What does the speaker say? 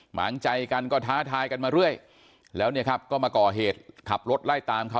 หมางใจกันก็ท้าทายกันมาเรื่อยแล้วเนี่ยครับก็มาก่อเหตุขับรถไล่ตามเขา